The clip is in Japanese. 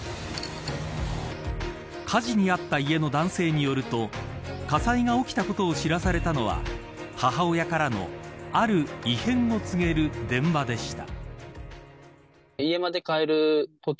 火事に遭った家の男性によると火災が起きたことを知らされたのは母親からのある異変を告げる電話でした。